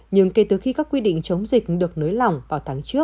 nhưng kể từ khi các quy định chống dịch được nới lỏng vào tháng trước